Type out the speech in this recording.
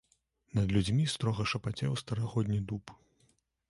Над людзьмі строга шапацеў стагодні дуб.